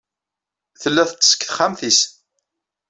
Tella teṭṭes deg texxamt-is.